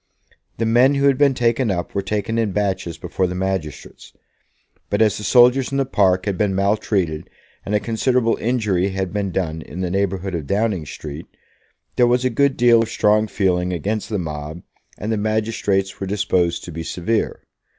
The men who had been taken up were taken in batches before the magistrates; but as the soldiers in the park had been maltreated, and a considerable injury had been done in the neighbourhood of Downing Street, there was a good deal of strong feeling against the mob, and the magistrates were disposed to be severe.